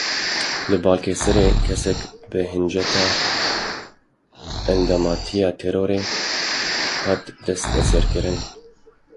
Li Balikesirê kesek bi hinceta endamtiya terorê hat desteserkirin.